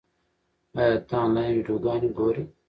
ایا ته آنلاین ویډیوګانې ګورې؟